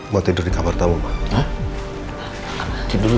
gue tidur di kamar tamu